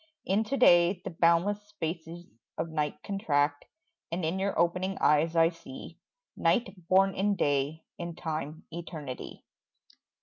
Into day The boundless spaces of night contract And in your opening eyes I see Night born in day, in time eternity.